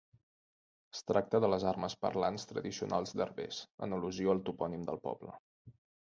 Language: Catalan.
Es tracta de les armes parlants tradicionals d'Herbers, en al·lusió al topònim del poble.